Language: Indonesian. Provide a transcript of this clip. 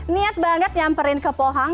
niat banget nyamperin ke pohang